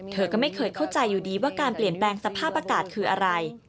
เธอก็ไม่เคยเข้าใจอยู่ดีว่าการเปลี่ยนแปลงสภาพอากาศคืออะไร